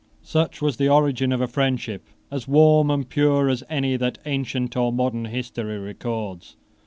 Such was the origin of a friendship as warm and pure as any that ancient or modern history records.